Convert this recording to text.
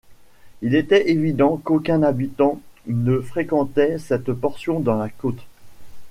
Il était évident qu’aucun habitant ne fréquentait cette portion de la côte.